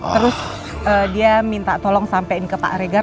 terus dia minta tolong sampein ke pak regar